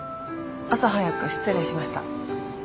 朝早く失礼しました。